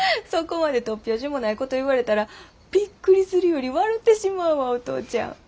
そこまで突拍子もないこと言われたらびっくりするより笑てしまうわお父ちゃん。